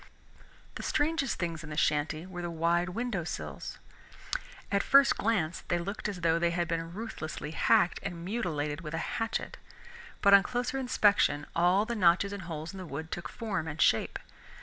The strangest things in the shanty were the wide windowsills. At first glance they looked as though they had been ruthlessly hacked and mutilated with a hatchet, but on closer inspection all the notches and holes in the wood took form and shape.